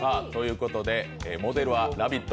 モデルは「ラヴィット！」